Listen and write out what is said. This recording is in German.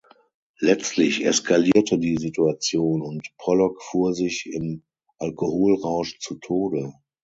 Letztlich eskalierte die Situation, und Pollock fuhr sich im Alkoholrausch zu Tode.